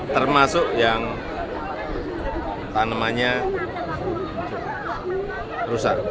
termasuk yang tanamannya rusak